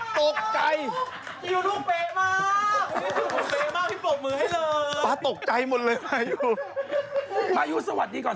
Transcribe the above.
ป๊ายูสวัสดีก่อน